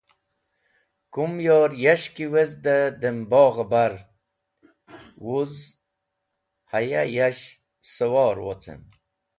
Kumyor yash ki wezde dem bogh-e bar, wuz haya yash siwor wocem.